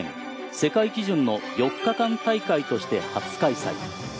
世界基準の４日間大会として初開催。